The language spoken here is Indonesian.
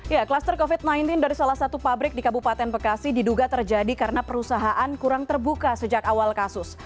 ya klaster covid sembilan belas dari salah satu pabrik di kabupaten bekasi diduga terjadi karena perusahaan kurang terbuka sejak awal kasus